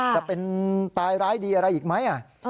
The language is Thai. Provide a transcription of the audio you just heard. จะเป็นตายร้ายดีอะไรอีกไหม